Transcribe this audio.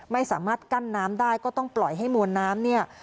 ไม่สามารถกั้นน้ำได้ก็ต้องปล่อยให้มวลน้ำเนี่ย